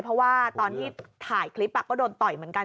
เพราะว่าตอนที่ถ่ายคลิปก็โดนต่อยเหมือนกัน